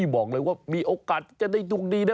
ว่ามีโอกาสจะได้ดูดีนะ